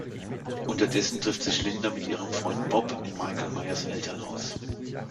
Unterdessen trifft sich Lynda mit ihrem Freund Bob in Michael Myers Elternhaus.